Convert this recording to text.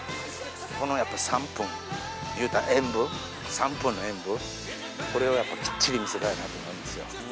このやっぱり３分、いったら演舞、３分の演舞、これをやっぱきっちり見せたいなと思うんですよ。